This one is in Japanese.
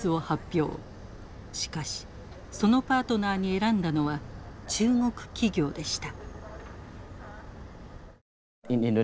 しかしそのパートナーに選んだのは中国企業でした。